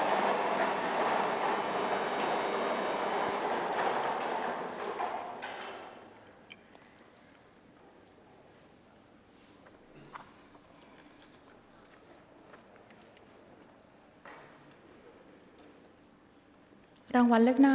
เพื่อให้ลูกบอนหมายเลขที่เป็นจุดอยู่ภายในฝาละการครั้งหนึ่งก่อนค่ะ